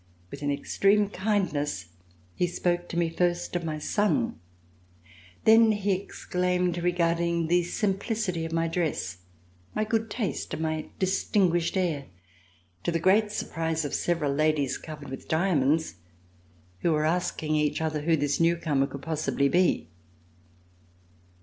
With an extreme kindness he spoke to me first of my son, then he exclaimed regarding the simplicity of my dress, my good taste and my dis tinguished air, to the great surprise of several ladies covered with diamonds, who were asking each other who this new comer could possibly be.